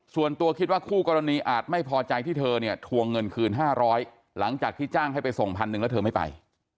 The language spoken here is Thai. ส่วนตัวคิดว่าคู่กรณีอาจไม่พอใจที่เธอเนี่ยทวงเงินคืน๕๐๐หลังจากที่จ้างให้ไปส่งพันหนึ่งแล้วเธอไม่ไป